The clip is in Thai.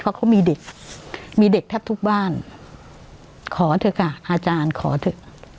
เพราะเขามีเด็กมีเด็กแทบทุกบ้านขอเถอะค่ะอาจารย์ขอเถอะ